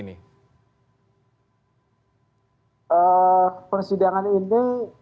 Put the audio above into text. di dalam sidang etik ini